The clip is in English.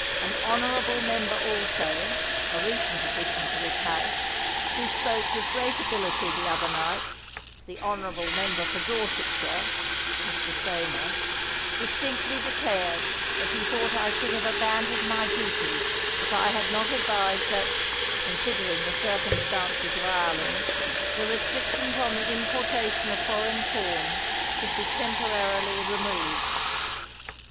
An honorable member also, a recent addition to this House, who spoke with great abilitj^ the other night, the honorable mem ber for Dorsetshire [Mr. Seymer], distinctly de clared that he thought I should have abandoned my duty if I had not ad\'ised that, considering the circumstances of Ireland, the restrictions on the importation of foreign corn should be tem porarily removed.